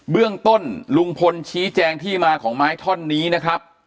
เบื้องต้นลุงพลชี้แจงที่มาของไม้ท่อนนี้นะครับ